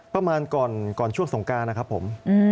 ประมาณก่อนช่วงสงการนะครับผม